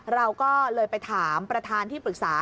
เราก็เลยไปถามประธานที่ปรึกษา